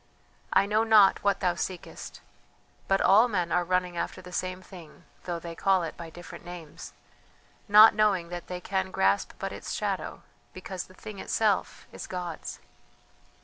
I know not what thou seekest, but all men are running after the same thing, though they call it by different names, not knowing that they can grasp but its shadow, because the thing itself is God's.